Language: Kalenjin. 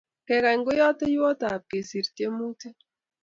Kengany ko yateiywotap kesir tiemutik